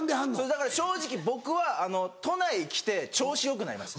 だから正直僕は都内来て調子よくなりました。